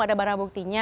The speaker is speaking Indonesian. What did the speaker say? ada barang buktinya